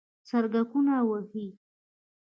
سترګکونه وهي